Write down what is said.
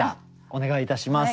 お願いいたします。